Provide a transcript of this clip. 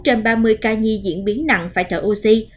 trong số bốn trên ba mươi ca nhi diễn biến nặng phải thở oxy